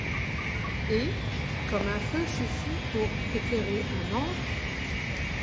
Et, comme un feu suffit pour éclairer un antre